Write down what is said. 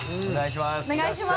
お願いします。